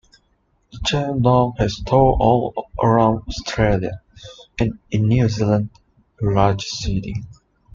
The chain now has stores all around Australia and in New Zealand's largest cities.